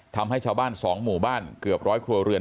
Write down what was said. ทำให้ชาวบ้าน๒หมู่บ้านเกือบร้อยครัวเรือน